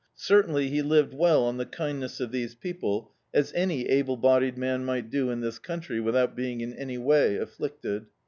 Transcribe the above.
Certainly he lived well on the kindness of these people, as any able bodied man mi^t do in this country, without being in any way afflicted.